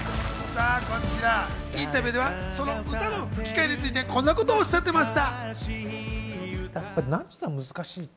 こちら、インタビューではその歌の吹き替えについて、こんなことをおっしゃっていました。